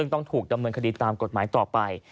ต้องถูกดำเนินคดีตามกฎหมายต่อไป